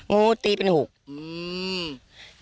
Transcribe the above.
งูตีเป็นหกอืม